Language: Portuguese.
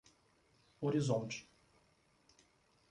Horizonte